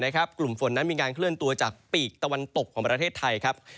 กลุ่มฝนนั้นมีการเคลื่อนตัวจากปีกตะวันตกของประเทศไทยครับ